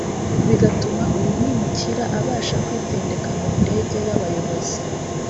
bigatuma uyu mwimukira abasha kwitendeka mu ndege y’abayobozi